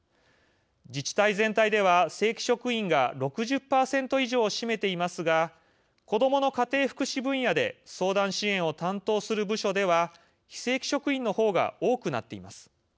自治体全体では正規職員が６０％以上を占めていますが子どもの家庭福祉分野で相談支援を担当する部署では非正規職員のほうが多くなっています。